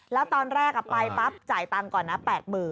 แล้วตอนแรกไปปั๊บจ่ายตังค์ก่อนนะ๘๐๐๐